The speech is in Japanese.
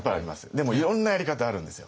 でもいろんなやり方あるんですよ。